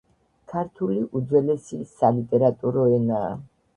ქართული უძველესი სალიტერატურო ენაა